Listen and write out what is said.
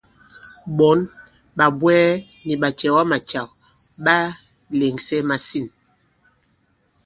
Ɓɔ̌n, ɓàbwɛɛ nì ɓàcɛ̀wamàcàw ɓà lèŋsɛ masîn.